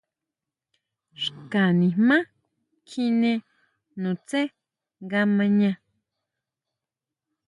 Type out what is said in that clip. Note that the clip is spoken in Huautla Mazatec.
Xka nijmá kjine nutsé nga ma ʼña.